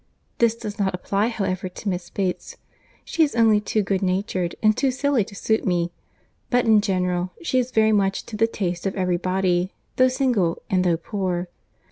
This does not apply, however, to Miss Bates; she is only too good natured and too silly to suit me; but, in general, she is very much to the taste of every body, though single and though poor.